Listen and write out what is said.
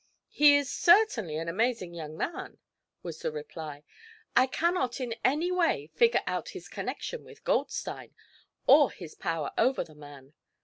"He is certainly an amazing young man," was the reply. "I cannot in any way figure out his connection with Goldstein, or his power over the man.